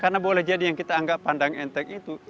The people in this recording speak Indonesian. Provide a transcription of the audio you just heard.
karena boleh jadi yang kita anggap pandang enteng itu